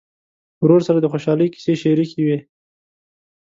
ورور سره د خوشحالۍ کیسې شريکې وي.